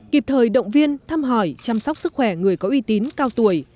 kịp thời động viên thăm hỏi chăm sóc sức khỏe người có uy tín cao tuổi